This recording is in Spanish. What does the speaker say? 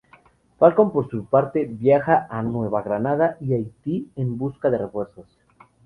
Falcón, por su parte, viaja a Nueva Granada y Haití en busca de refuerzos.